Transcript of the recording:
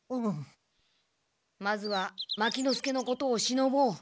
まずは牧之介のことをしのぼう。